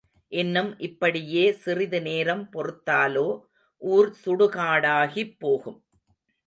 இன்னும் இப்படியே சிறிது நேரம் பொறுத்தாலோ ஊர் சுடுகாடாகிப் போகும்.